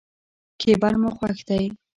کېبل مو خوښ دی.